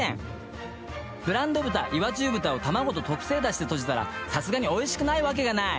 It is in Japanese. ［ブランド豚岩中豚を卵と特製だしでとじたらさすがにおいしくないわけがない！］